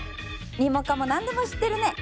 ニモカモ何でも知ってるね！